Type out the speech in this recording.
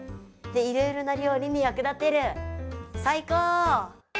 いろいろな料理に役立てる！